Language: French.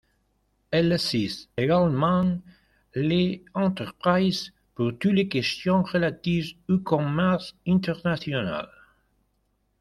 Elle assiste également les entreprises pour toutes les questions relatives au commerce international.